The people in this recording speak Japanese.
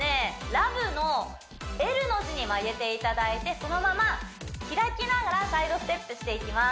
ＬＯＶＥのＬの字に曲げていただいてそのまま開きながらサイドステップしていきます